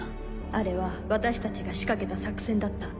あれは私たちが仕掛けた作戦だった。